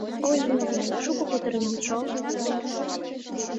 Ой-ей-яй, шуко кутыреныт шол.